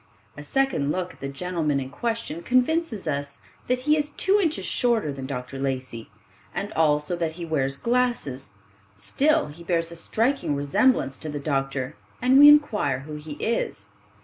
A second look at the gentleman in question convinces us that he is two inches shorter than Dr. Lacey, and also that he wears glasses; still be bears a striking resemblance to the doctor, and we inquire who he is.